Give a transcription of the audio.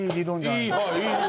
はい。